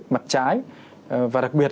mặt trái và đặc biệt